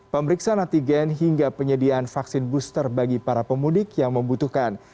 pemeriksaan antigen hingga penyediaan vaksin booster bagi para pemudik yang membutuhkan